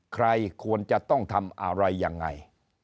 ใครควรจะต้องทำอะไรยังไง